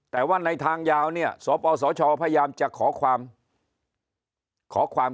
แต่ว่าในทางยาวเนี่ยสปสชพยายามจะขอความ